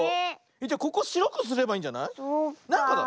じゃここしろくすればいいんじゃない？そっかあ。